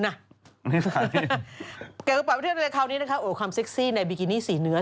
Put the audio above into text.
แกก็ปล่อยไปเท่านั้นเลยคราวนี้นะครับโอ้ความเซ็กซี่ในบิกินี่สีเนื้อ